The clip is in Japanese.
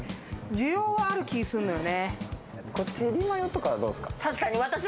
需要はある気がするのよね。